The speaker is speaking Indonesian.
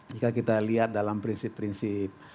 jika kita lihat dalam prinsip prinsip